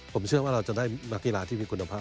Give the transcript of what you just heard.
ผมเชื่อว่าเราจะได้นักกีฬาที่มีคุณภาพ